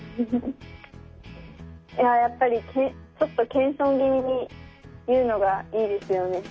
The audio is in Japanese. いややっぱりちょっと謙遜気味に言うのがいいですよね。